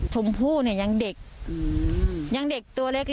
ชมพู่เนี่ยยังเด็กยังเด็กตัวเล็ก